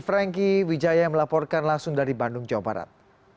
franky wijaya yang melaporkan langsung dari bandung jawa barat